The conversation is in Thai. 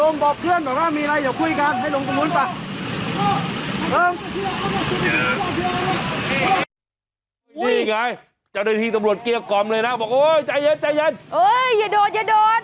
นี่ไงจะได้ทิ้งตำรวจเกี้ยวกรอบเลยนะบอกโอ้ยใจเย็นใจเย็น